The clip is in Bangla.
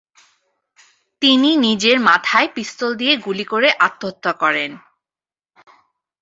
তিনি নিজের মাথায় পিস্তল দিয়ে গুলি করে আত্মহত্যা করেন।